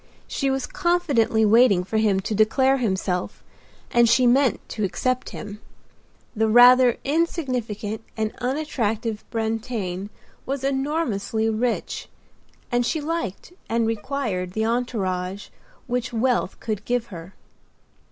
She was confidently waiting for him to declare himself and she meant to accept him. The rather insignificant and unattractive Brantain was enormously rich; and she liked and required the entourage which wealth could give her.